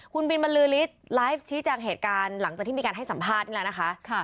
คุณบินบรรลือฤทธิ์ไลฟ์ชี้แจงเหตุการณ์หลังจากที่มีการให้สัมภาษณ์นี่แหละนะคะ